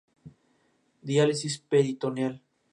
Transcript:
Diálisis peritoneal.